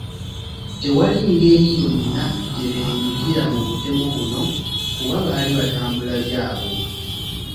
Tewali ngeri yonna gye beenyigira mu butemu buno kuba baali batambula byabwe.